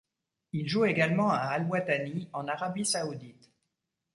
Il joue également à Al Watani en Arabie saoudite.